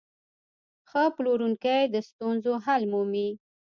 ښه پلورونکی د ستونزو حل مومي.